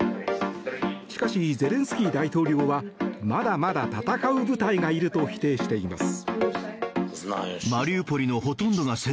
しかし、ゼレンスキー大統領はまだまだ戦う部隊がいると否定しています。